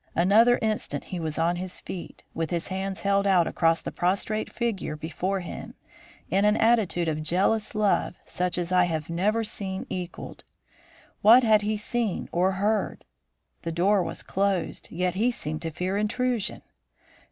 Another instant he was on his feet, with his hands held out across the prostrate figure before him, in an attitude of jealous love such as I have never seen equalled. What had he seen or heard? The door was closed, yet he seemed to fear intrusion.